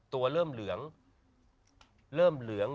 ตัวเริ่มเหลือง